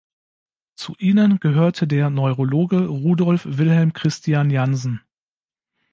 Zu ihnen gehörte der Neurologe Rudolf Wilhelm Christian Janzen.